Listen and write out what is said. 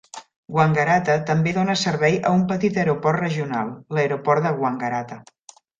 Wangaratta també dona servei a un petit aeroport regional, l'aeroport de Wangaratta.